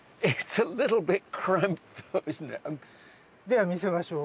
では見せましょう。